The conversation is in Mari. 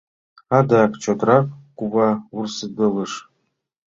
Адак чотрак кува вурседылеш